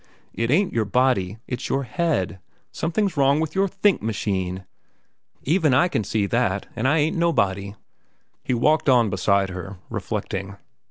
"It ain't your body. It's your head. Something's wrong with your think machine. Even I can see that, an' I ain't nobody." He walked on beside her, reflecting.